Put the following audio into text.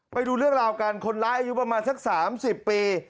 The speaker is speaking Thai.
ไปดูเรื่องราวกันคนร้ายอายุประมาณสัก๓๐ปี